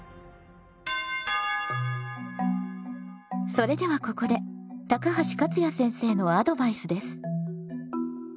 それではここで高橋勝也先生のアドバイスです。